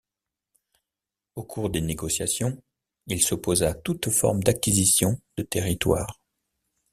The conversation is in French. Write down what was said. Au cours des négociations, il s'opposa à toute formes d'acquisitions de territoire.